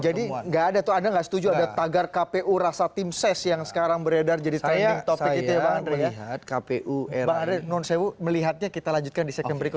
jadi nggak ada tuh anda nggak setuju ada tagar kpu rasa tim ses yang sekarang beredar jadi trending topik itu ya bang andre ya